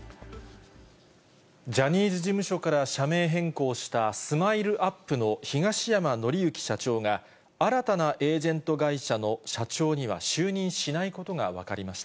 ジャニーズ事務所から社名変更したスマイルアップの東山紀之社長が、新たなエージェント会社の社長には就任しないことが分かりました。